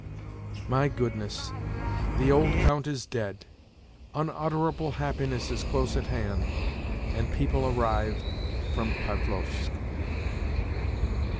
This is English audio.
My goodness ! the old count is dead, unutterable happiness is close at hand and people arrive from Pavlovsk